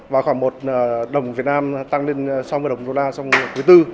và khoảng một đồng việt nam tăng lên sáu mươi đồng đô la trong quý tư